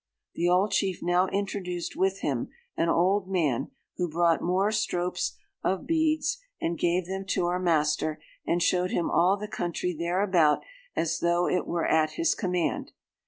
The old chief now introduced with him 'an old man, who brought more stropes of beads, and gave them to our master, and showed him all the country thereabout, as though it were at his command!